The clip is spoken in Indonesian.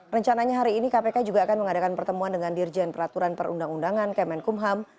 rencananya hari ini kpk juga akan mengadakan pertemuan dengan dirjen peraturan perundang undangan kemenkumham